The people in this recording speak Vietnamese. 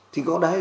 thì có đấy